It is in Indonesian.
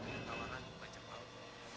dengan tawaran bapak cepat